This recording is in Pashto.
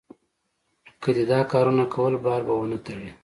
که دې دا کارونه کول؛ بار به و نه تړې.